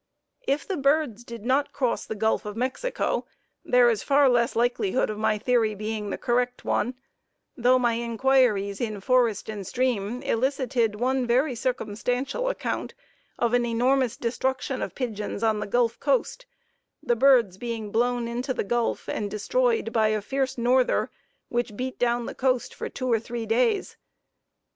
If the birds did not cross the Gulf of Mexico there is far less likelihood of my theory being the correct one, though my inquiries in Forest and Stream elicited one very circumstantial account of an enormous destruction of pigeons on the Gulf Coast, the birds being blown into the Gulf and destroyed by a fierce "norther" which beat down the coast for two or three days.